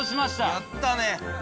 やったね。